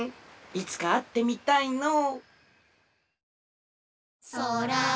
いつかあってみたいのう。